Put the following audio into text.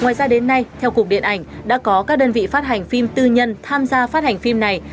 ngoài ra đến nay theo cục điện ảnh đã có các đơn vị phát hành phim tư nhân tham gia phát hành phim này